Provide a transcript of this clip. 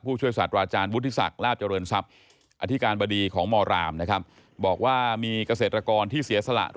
ผู้ช่วยศาสตราจารย์วุฒิศักร์ลาบเจริญทรัพย์